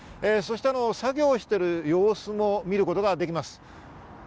作業している様子も見ることができます。